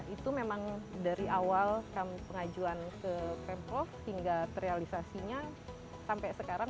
itu memang dari awal pengajuan ke pemprov hingga terrealisasinya sampai sekarang